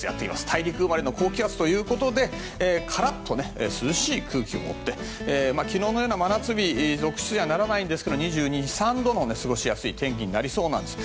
大陸生まれの高気圧ということでカラッと涼しい空気を持って昨日のような真夏日続出にはならないんですが２２２３度の過ごしやすい天気となりそうです。